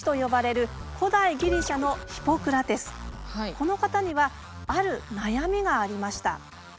この方にはある悩みがありました。